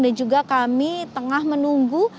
dan juga kami tengah menunggu